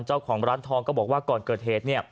เจ้าของร้านทองก็บอกว่าก่อนเกิดเหตุ